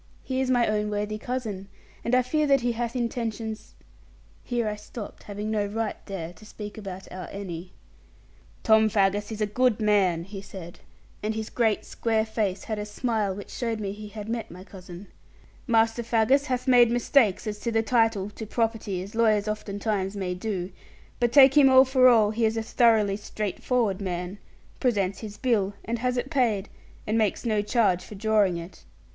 He is my own worthy cousin; and I fear he that hath intentions' here I stopped, having no right there to speak about our Annie. 'Tom Faggus is a good man,' he said; and his great square face had a smile which showed me he had met my cousin; 'Master Faggus hath made mistakes as to the title to property, as lawyers oftentimes may do; but take him all for all, he is a thoroughly straightforward man; presents his bill, and has it paid, and makes no charge for drawing it.